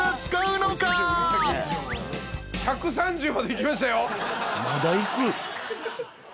１３０までいきましたよ。